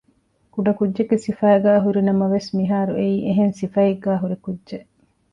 ކުޑަކުއްޖެއްގެ ސިފައިގައި ހުރި ނަމަވެސް މިހާރު އެއީ އެހެން ސިފައެއްގައި ހުރި ކުއްޖެއް